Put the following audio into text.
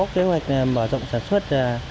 kế hoạch mở rộng sản xuất